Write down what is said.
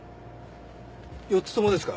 ４つともですか？